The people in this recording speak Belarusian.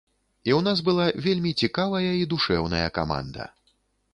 І ў нас была вельмі цікавая і душэўная каманда.